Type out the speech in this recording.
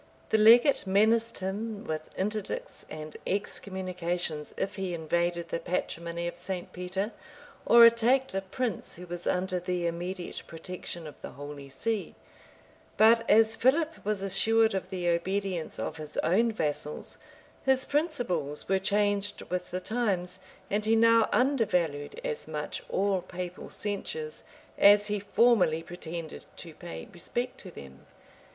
The legate menaced him with interdicts and excommunications, if he invaded the patrimony of St. Peter, or attacked a prince who was under the immediate protection of the holy see; but as Philip was assured of the obedience of his own vassals, his principles were changed with the times, and he now undervalued as much all papal censures, as he formerly pretended to pay respect to them.